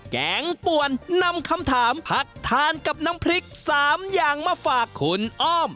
แกงป่วนนำคำถามผัดทานกับน้ำพริก๓อย่างมาฝากคุณอ้อม